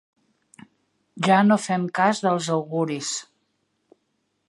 Ja no fem cas dels auguris.